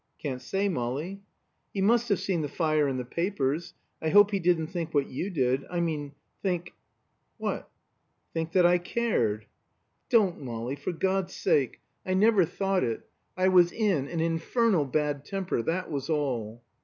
"Can't say, Molly." "He must have seen the fire in the papers I hope he didn't think what you did. I mean think " "What?" "Think that I cared." "Don't, Molly, for God's sake! I never thought it. I was in an infernal bad temper, that was all."